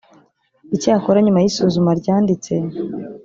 icyakora nyuma y isuzuma ryanditse